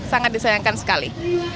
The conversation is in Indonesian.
sangat disayangkan sekali